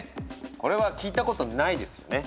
これは聞いたことないですよね。